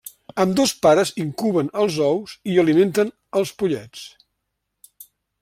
Ambdós pares incuben els ous i alimenten els pollets.